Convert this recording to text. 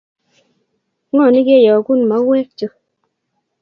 ng'oni keyokun mauwek chu